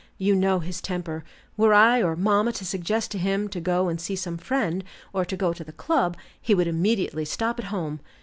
You know his temper: were I or mamma to suggest to him, to go and see some friend, or to go to the club, he would immediately stop at home.